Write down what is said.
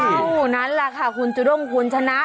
เท่านั้นแหละค่ะคุณจุด้งคุณชนะ